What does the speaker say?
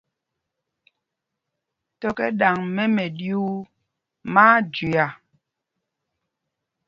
Tɔ̄ kɛ ɗaŋ mɛ́ mɛɗyuu, má á jüia.